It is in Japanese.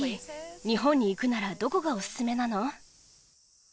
日本に行くならどこがオススメなの？